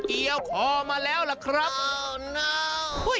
เอาขอมาแล้วล่ะครับ